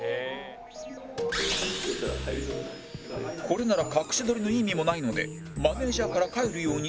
これなら隠し撮りの意味もないのでマネジャーから帰るように促す